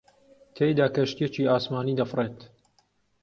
تێیدا کەشتییەکی ئاسمانی دەفڕێت